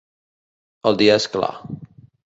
El dia és clar.